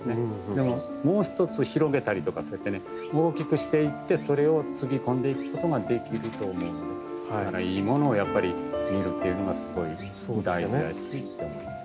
でももう一つ広げたりとかそうやってね大きくしていってそれをつぎ込んでいくことができると思うんでいいものをやっぱり見るっていうのがすごい大事だしって思います。